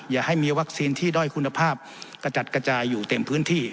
อย่าให้มีวัคซีนที่ด้อยคุณภาพกระจัดกระจายอยู่เต็มพื้นที่